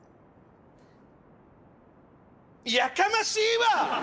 やかましいわ！